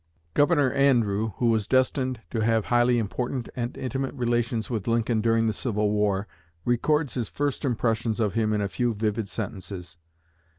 Governor Andrew, who was destined to have highly important and intimate relations with Lincoln during the Civil War, records his first impressions of him in a few vivid sentences.